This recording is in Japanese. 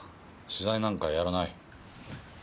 取材なんかやらない。